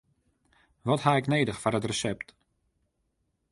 Wat haw ik nedich foar it resept?